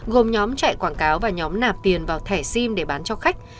gồm nhóm chạy quảng cáo và nhóm nạp tiền vào thẻ sim để bán cho khách